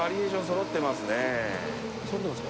そろってますね。